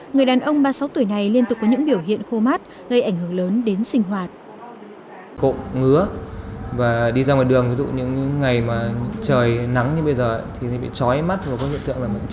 người đàn ông ba mươi sáu tuổi này liên tục có những biểu hiện khô mắt gây ảnh hưởng lớn đến sinh hoạt